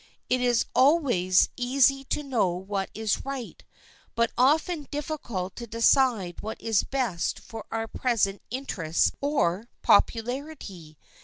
It is always easy to know what is right, but often difficult to decide what is best for our present interests or popularity.